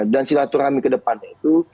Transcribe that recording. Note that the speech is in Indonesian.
dan silaturahmi ke depan itu